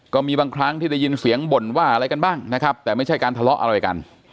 ก็มีบางครั้งที่ได้ยินเสียงบ่นว่าอะไรกันบ้างนะครับแต่ไม่ใช่การทะเลาะอะไรกัน